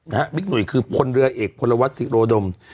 ฮะวิกหนุ่ยคือคนเรือเอกพรวมสริโรดม